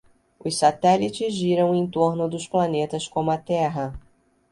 Os satélites giram em torno dos planetas como a Terra.